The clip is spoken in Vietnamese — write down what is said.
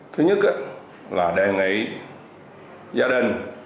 thứ nhất là đề nghị gia đình